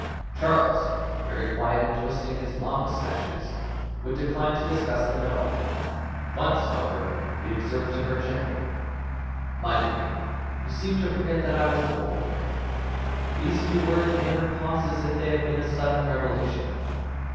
Charles, very quiet and twisting his long moustaches, would decline to discuss them at all. Once, however, he observed to her gently "My dear, you seem to forget that I was born here." These few words made her pause as if they had been a sudden revelation.